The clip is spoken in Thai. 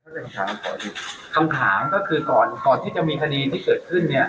คำถามก็คือตอนตอนที่จะมีคณีที่เกิดขึ้นเนี้ย